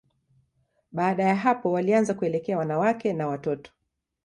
Baada ya hapo, walianza kuelekea wanawake na watoto.